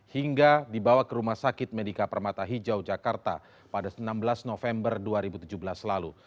hingga dibawa ke rumah sakit medika permata hijau jakarta pada enam belas november dua ribu tujuh belas lalu